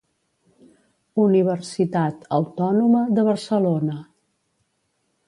Universitat Autònoma de Barcelona.